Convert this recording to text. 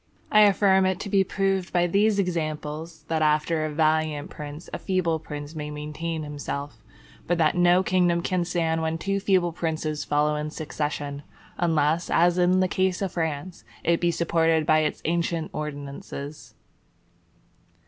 I affirm it to be proved by these examples, that after a valiant prince a feeble prince may maintain himself; but that no kingdom can stand when two feeble princes follow in succession, unless, as in the case of France, it be supported by its ancient ordinances.